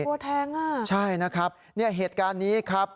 ตัวแทงอ่ะใช่นะครับเนี่ยเหตุการณ์นี้ครับ